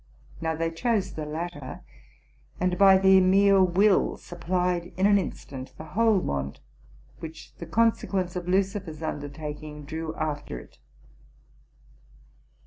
Now, they chose the latter, and by their mere will supplied in an instant the whole want which the conse quence of Lucifer's undertaking drew after it.